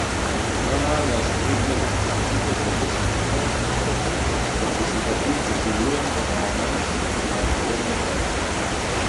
Aprovar les regles específiques d'aquest procés participatiu que figuren com a Annex al present Decret.